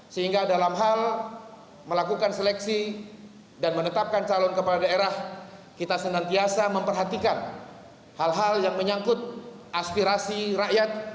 sehingga dalam hal melakukan seleksi dan menetapkan calon kepala daerah kita senantiasa memperhatikan hal hal yang menyangkut aspirasi rakyat